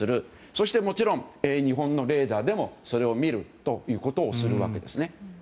そして、もちろん日本のレーダーでもそれを見るということをするわけです。